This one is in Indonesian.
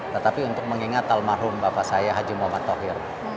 tetapi untuk mengingat talmarhum bapak saya haji muhammad thohir